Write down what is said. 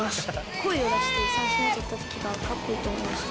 声を出して三振とったときがかっこいいと思いました。